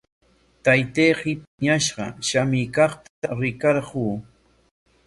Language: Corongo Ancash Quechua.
Taytayki piñashqa shamuykaqta rikarquu.